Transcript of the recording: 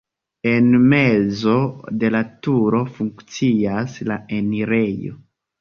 En mezo de la turo funkcias la enirejo.